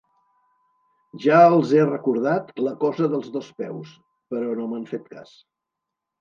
Ja els he recordat la cosa dels dos peus, però no m'han fet cas.